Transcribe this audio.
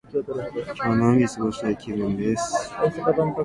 今日はのんびり過ごしたい気分です。